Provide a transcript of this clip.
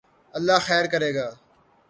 اللہ خیر کرے گا